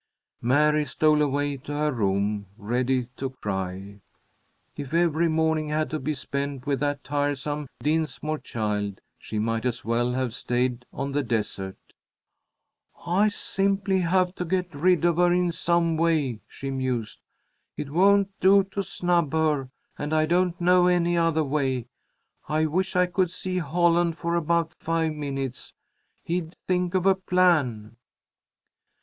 Mary stole away to her room, ready to cry. If every morning had to be spent with that tiresome Dinsmore child, she might as well have stayed on the desert. "I simply have to get rid of her in some way," she mused. "It won't do to snub her, and I don't know any other way. I wish I could see Holland for about five minutes. He'd think of a plan."